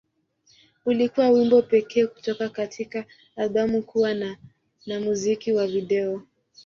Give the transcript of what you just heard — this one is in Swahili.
Ulikuwa wimbo pekee kutoka katika albamu kuwa na na muziki wa video.